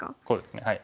こうですね。